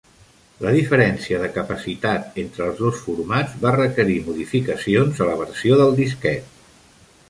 La diferència de capacitat entre els dos formats va requerir modificacions a la versió del disquet.